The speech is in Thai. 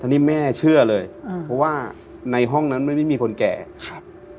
อันนี้แม่เชื่อเลยอ่าเพราะว่าในห้องนั้นมันไม่มีคนแก่ครับ